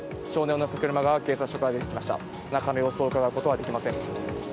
中の様子をうかがうことはできません。